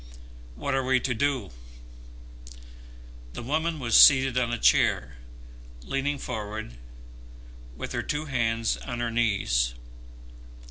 What are we to do?" The woman was seated on a chair, leaning forward with her two hands on her knees.